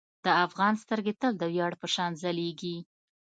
د افغان سترګې تل د ویاړ په شان ځلیږي.